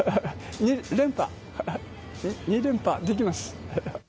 連覇、２連覇できます。